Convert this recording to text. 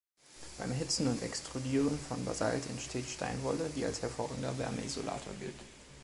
Beim Erhitzen und Extrudieren von Basalt entsteht Steinwolle, die als hervorragender Wärmeisolator gilt.